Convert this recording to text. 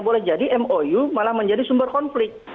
boleh jadi mou malah menjadi sumber konflik